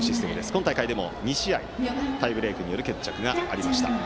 今回でも２試合タイブレークによる決着がありました。